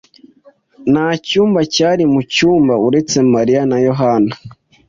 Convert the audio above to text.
Ntacyumba cyari mucyumba uretse Mariya na Yohana.